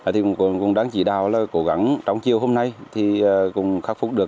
thì cũng đáng chỉ đào là cố gắng trong chiều hôm nay thì cũng khắc phục được